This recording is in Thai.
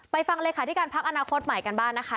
ไปฟังเลยค่ะที่การพักอนาคตใหม่กันบ้างนะคะ